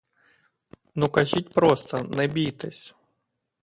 Ну кажіть просто, не бійтесь.